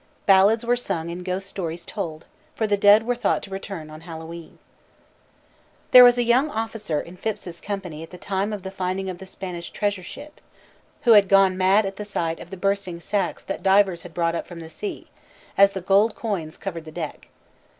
Ballads were sung and ghost stories told, for the dead were thought to return on Hallowe'en. "There was a young officer in Phips's company at the time of the finding of the Spanish treasure ship, who had gone mad at the sight of the bursting sacks that the divers had brought up from the sea, as the gold coins covered the deck.